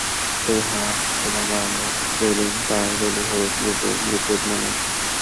সেই হাওয়া, তোমার বারান্দা, রেলিং, পাড়ার গলি, হলুদ দুপুর—নিখুঁত মনে আছে।